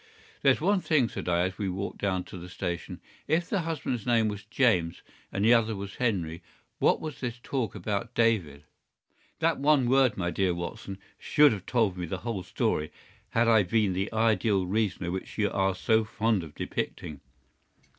"There's one thing," said I, as we walked down to the station. "If the husband's name was James, and the other was Henry, what was this talk about David?" "That one word, my dear Watson, should have told me the whole story had I been the ideal reasoner which you are so fond of depicting.